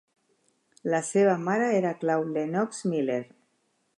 La seva mare era Claude Lennox Miller.